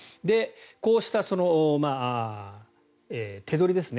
こうした手取りですね